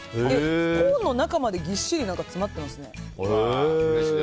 コーンの中までぎっしり詰まってますね。